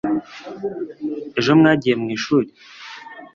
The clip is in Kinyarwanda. ejo mwagiye mwishuri